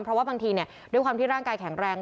เพราะว่าบางทีด้วยความที่ร่างกายแข็งแรง